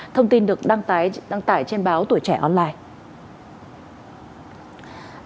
thông tin được đăng tải trên báo tuổi trẻ online